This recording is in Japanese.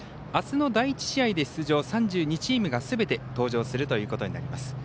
あすの第１試合で出場３２チームがすべて登場するということになります。